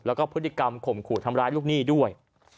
แล้วก็พฤติกรรมข่มขู่ทำร้ายลูกหนี้ด้วย